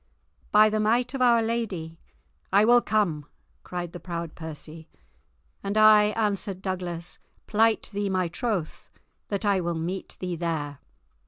"By the might of Our Lady, I will come," cried the proud Percy. "And I," answered Douglas, "plight thee my troth that I will meet thee there."